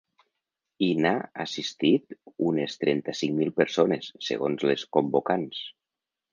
Hi na assistit unes trenta-cinc mil persones, segons les convocants.